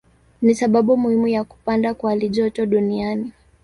Ni sababu muhimu ya kupanda kwa halijoto duniani.